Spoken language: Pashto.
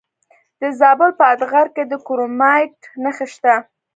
د زابل په اتغر کې د کرومایټ نښې شته.